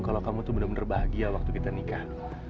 kalau kamu tuh bener bener bahagia waktu kita nikah